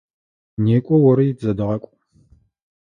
Некӏо ори, тызэдэгъакӏу!